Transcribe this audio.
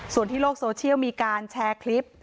ส่วนที่โลกโซเชียลมีการแชร์คลิป